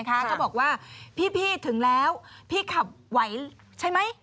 ก็บอกว่าพี่ถึงแล้วพี่ขับไหวใช่ไหม